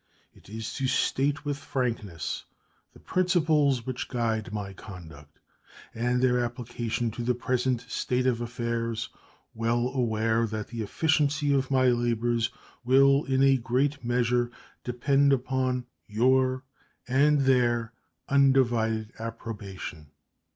It is to state with frankness the principles which guide my conduct, and their application to the present state of affairs, well aware that the efficiency of my labors will in a great measure depend on your and their undivided approbation.